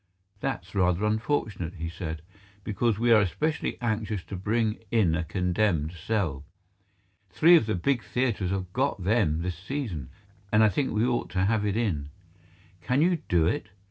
"That's rather unfortunate," he said, "because we are especially anxious to bring in a condemned cell. Three of the big theaters have got them this season, and I think we ought to have it in. Can you do it?"